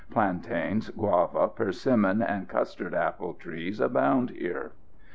Plantains, guava, persimmon and custard apple trees abound here.